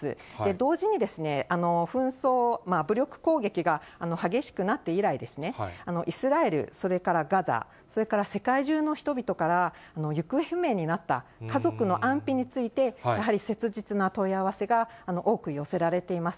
同時に、紛争、武力攻撃が激しくなって以来ですね、イスラエル、それからガザ、それから世界中の人々から、行方不明になった家族の安否についてやはり切実な問い合わせが多く寄せられています。